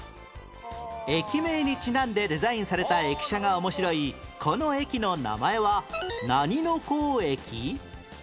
駅名にちなんでデザインされた駅舎が面白いこの駅の名前は何甲駅？